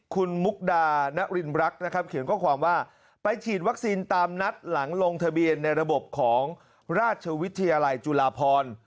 คุณมุกดานรินรักนะครับเขียนข้อความว่าไปฉีดวัคซีนตามนัดหลังลงทะเบียนในระบบของราชวิทยาลัยจุฬาพร